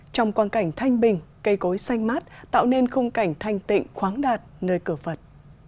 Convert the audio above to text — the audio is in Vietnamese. trong quan cảnh thanh bình cây cối xanh mát tạo nên khung cảnh thanh tịnh khoáng đạt nơi cửa phật